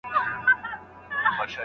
لارښووني د استادانو لخوا ترسره کېږي.